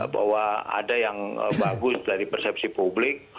bahwa ada yang bagus dari persepsi publik